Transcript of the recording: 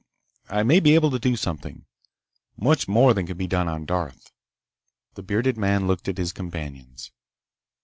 I may be able to do something. Much more than can be done on Darth!" The bearded man looked at his companions.